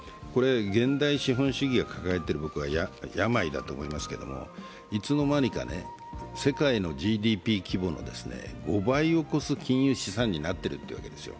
現代資本主義が抱えている病だと思いますけど、いつの間にか世界のＧＤＰ規模の５倍を超す金融資産になってるというわけですよ。